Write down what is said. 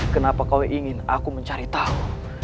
kenapa kau ingin aku mencari tahu